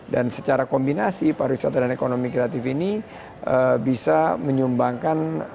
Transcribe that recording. dan secara kombinasi para wisata dan ekonomi kreatif ini bisa menyumbangkan